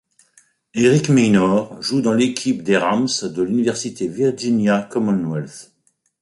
Eric Maynor joue dans l'équipe des Rams de l'université Virginia Commonwealth.